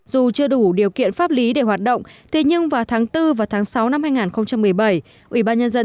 dù chưa đủ điều kiện pháp lý để hoạt động thế nhưng vào tháng bốn và tháng sáu năm hai nghìn một mươi bảy